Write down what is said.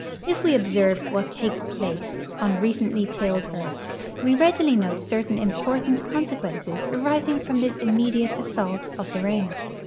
If we observe what takes place on recently tilled earth, we readily note certain important conse quences arising from this immediate assault of the rain.